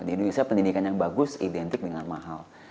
di indonesia pendidikan yang bagus identik dengan mahal